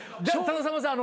さんまさん